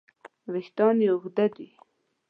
وېښتیان یې اوږده دي.